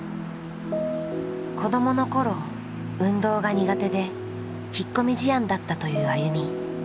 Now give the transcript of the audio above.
子どもの頃運動が苦手で引っ込み思案だったというＡＹＵＭＩ。